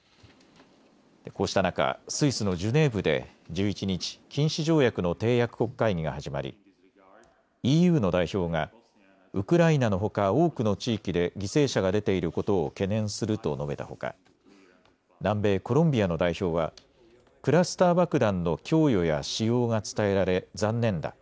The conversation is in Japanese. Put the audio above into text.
こうした中、スイスのジュネーブで１１日、禁止条約の締約国会議が始まりＥＵの代表がウクライナのほか多くの地域で犠牲者が出ていることを懸念すると述べたほか南米コロンビアの代表はクラスター爆弾の供与や使用が伝えられ残念だ。